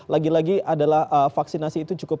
lagi lagi adalah vaksinasi itu cukup